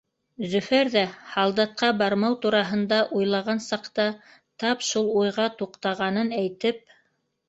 Зөфәр ҙә, һалдатҡа бармау тураһында уйлаған саҡта, тап шул уйға туҡтағанын әйтеп: